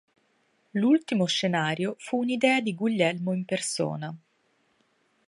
L'ultimo scenario fu un'idea di Guglielmo in persona.